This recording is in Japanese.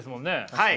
はい。